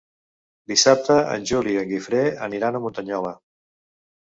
Dissabte en Juli i en Guifré aniran a Muntanyola.